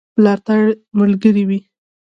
ملاتړ ملګری وي.